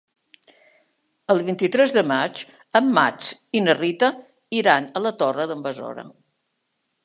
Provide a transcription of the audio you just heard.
El vint-i-tres de maig en Max i na Rita iran a la Torre d'en Besora.